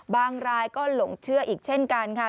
รายก็หลงเชื่ออีกเช่นกันค่ะ